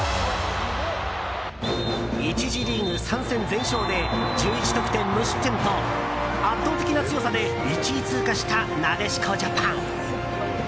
１次リーグ３戦全勝で１１得点、無失点と圧倒的な強さで１位通過したなでしこジャパン。